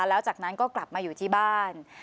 แล้วจากนั้นก็กลับมาอยู่ที่บ้าน